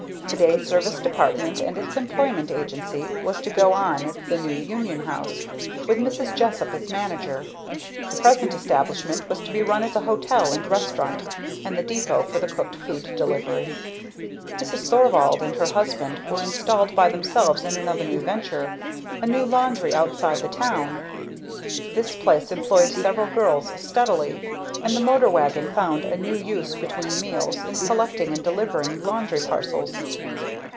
The day service department and its employment agency was to go on at the New Union House, with Mrs. Jessup as manager; the present establishment was to be run as a hotel and restaurant, and the depot for the cooked food delivery. Mrs. Thorvald and her husband were installed by themselves in another new venture; a small laundry outside the town. This place employed several girls steadily, and the motor wagon found a new use between meals, in collecting and delivering laundry parcels.